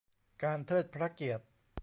การเทิดพระเกียรติ